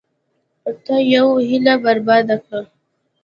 تا یوه هیله برباد کړه.